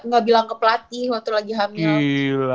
gak bilang ke pelatih waktu lagi hamil